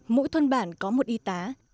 mỗi thuân bản có một y tá